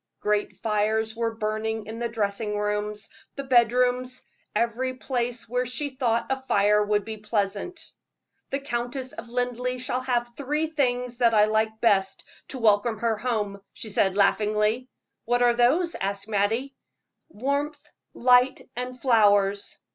Great fires were burning in the dressing rooms, the bedrooms every place where she thought a fire would be pleasant. "The Countess of Linleigh shall have the three things that I like best to welcome her home," she said, laughingly. "What are those?" asked Mattie. "Warmth, light, and flowers.